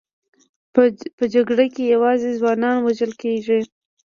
په جګړه کې یوازې ځوانان وژل کېږي